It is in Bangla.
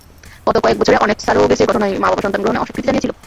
গত কয়েক বছরে, অনেক সারোগেসির ঘটনায়, মা-বাবা সন্তান গ্রহণে অস্বীকৃতি জানিয়েছিল।